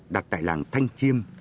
đặt tại làng thanh chiêm